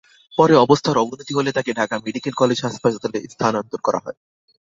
পরে অবস্থার অবনতি হলে তাঁকে ঢাকা মেডিকেল কলেজ হাসপাতালে স্থানান্তর করা হয়।